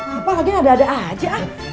apalagi ada ada aja